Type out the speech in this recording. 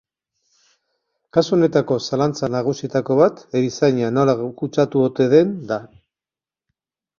Kasu honetako zalantza nagusietako bat erizaina nola kutsatu ote den da.